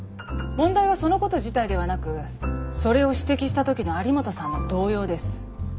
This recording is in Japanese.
問題はそのこと自体ではなくそれを指摘した時の有本さんの動揺です。